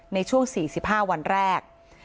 ในช่วง๔๕วันแรก